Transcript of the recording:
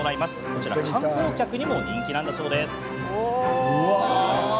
こちら、観光客にも人気なんですよ。